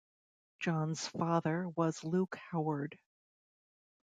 John's father was Luke Howard.